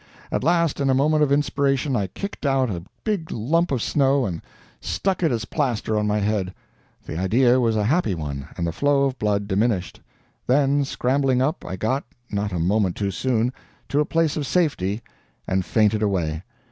At last, in a moment of inspiration, I kicked out a big lump of snow and struck it as plaster on my head. The idea was a happy one, and the flow of blood diminished. Then, scrambling up, I got, not a moment too soon, to a place of safety, and fainted away.